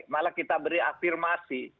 malah kita beri afirmasi